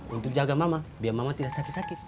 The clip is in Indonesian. untuk jaga mbak biar mbak tidak sakit sakit